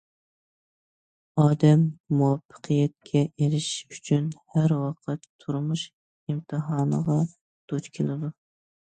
ئادەم مۇۋەپپەقىيەتكە ئېرىشىش ئۈچۈن ھەر ۋاقىت تۇرمۇش ئىمتىھانىغا دۇچ كېلىدۇ.